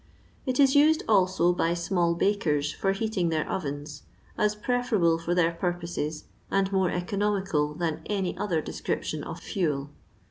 It is used also by small bakers for heating their ovens, as preferable for their purposes, and more economical than any other description of fuel.